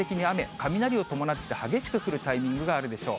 雷を伴って激しく降るタイミングがあるでしょう。